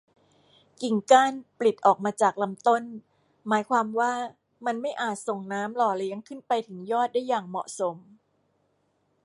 กิ่งก้านปลิดออกมาจากลำต้น หมายความว่ามันไม่อาจส่งน้ำหล่อเลี้ยงขึ้นไปถึงยอดได้อย่างเหมาะสม